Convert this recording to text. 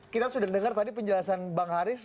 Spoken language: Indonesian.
kita sudah dengar tadi penjelasan bang haris